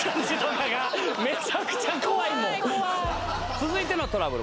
続いてのトラブル